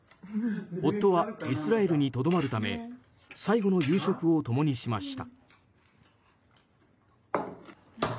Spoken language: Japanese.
夫はイスラエルにとどまるため最後の夕食を共にしました。